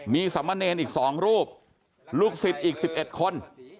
มีสมเนรอีก๒รูปลูกศิษย์อีก๑๑คน